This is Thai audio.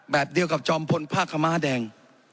แบบเดียวกับจอมพลผ้าขม้าแดง